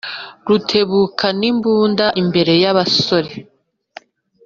Rutebukanimbunda imbere y’abasore